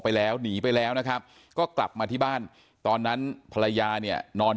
ไปแล้วหนีไปแล้วนะครับก็กลับมาที่บ้านตอนนั้นภรรยาเนี่ยนอน